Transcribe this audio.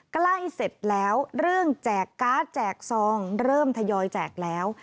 ใกล้เสร็จแล้วเรื่องแจกการ์ดแจกซองเริ่มทยอยแจกแล้ว